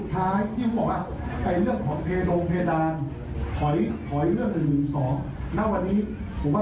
แต่งั้นเนี่ย